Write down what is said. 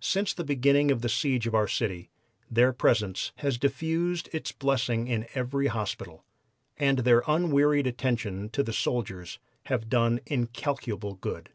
Since the beginning of the siege of our city their presence has diffused its blessings in every hospital, and their unwearied attentions to the soldiers have done incalculable good."